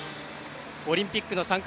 オリンピックの参加